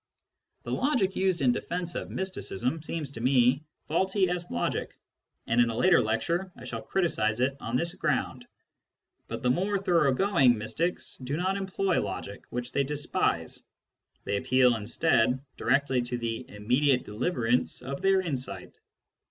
The logic used in defence of mysticism seems to me faulty as logic, and in a later lecture I shall criticise it on this ground. But the more thorough jgoing mystics do not employ logic, which they despise : they appeal instead directly to the immediate deliverance of their insight.